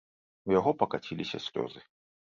У яго пакаціліся слёзы.